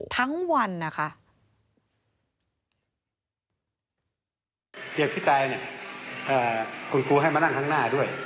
ทั้งวันนะคะ